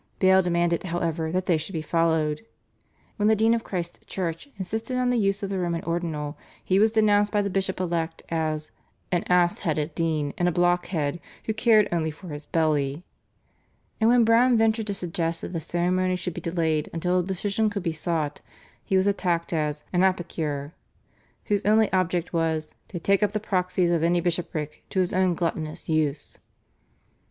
Bale demanded, however, that they should be followed. When the dean of Christ's Church insisted on the use of the Roman Ordinal, he was denounced by the bishop elect as "an ass headed dean and a blockhead who cared only for his belly," and when Browne ventured to suggest that the ceremony should be delayed until a decision could be sought, he was attacked as "an apicure," whose only object was "to take up the proxies of any bishopric to his own gluttonous use."